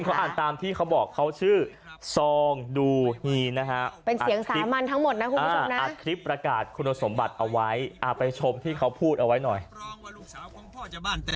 ผมเค้าอ่านตามที่เค้าบอกเค้าชื่อซองดูฮีนะฮะเป็นเสียงสามัญทั้งหมดนะคุณผู้ชมนะ